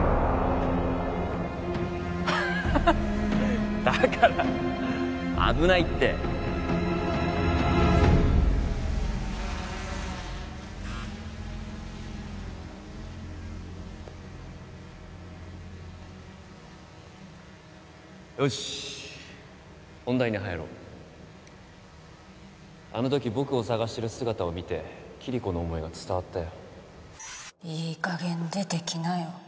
ハハハだから危ないってよし本題に入ろうあのとき僕を捜してる姿を見てキリコの思いが伝わったよいい加減出てきなよ